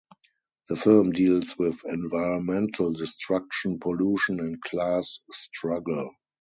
The film deals with environmental destruction, pollution and class struggle.